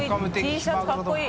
Ｔシャツかっこいい！